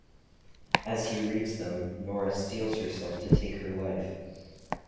As he reads them, Nora steels herself to take her life.